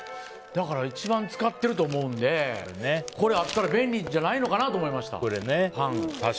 だから一番使ってると思うんでこれあったら便利じゃないのかなと思いました。